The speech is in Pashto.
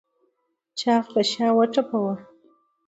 چاغ په شا وټپوه.